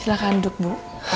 silahkan duduk bu